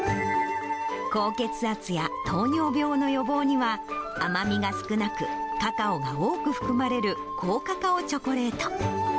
高血圧や糖尿病の予防には、甘みが少なく、カカオが多く含まれる高カカオチョコレート。